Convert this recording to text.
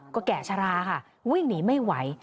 ก็แก่ชะลาค่ะวิ่งหนีไม่ไหว